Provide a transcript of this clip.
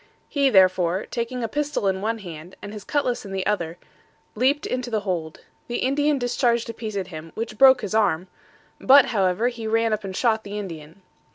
He, therefore, taking a pistol in one hand, and his cutlass in the other, leaped into the hold. The Indian discharged a piece at him, which broke his arm; but, however, he ran up and shot the Indian.